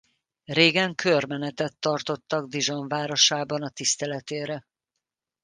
Régen körmenetet tartottak Dijon városában a tiszteletére.